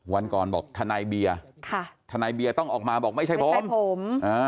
วันก่อนบอกทนายเบียร์ทนายเบียร์ต้องออกมาบอกไม่ใช่ผม